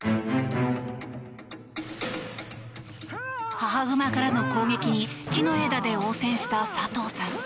母熊からの攻撃に木の枝で応戦した佐藤さん。